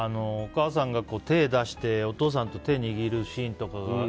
お母さんが手を出してお父さんと手握るシーンとか。